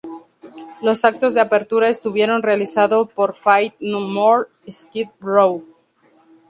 Los actos de apertura estuvieron realizados por Faith No More y Skid Row.